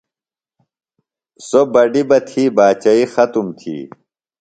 سوۡ بڈیۡ بہ تھی باچئی ختُم تھی۔